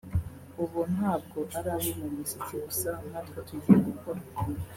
ubu ntabwo ari abo mu muziki gusa natwe tugiye gukora